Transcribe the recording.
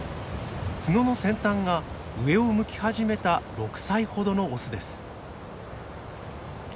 角の先端が上を向き始めた６歳ほどのオスです。